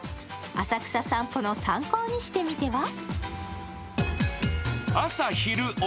浅草散歩の参考にしてみては。